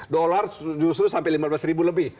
dolar justru sampai lima belas ribu lebih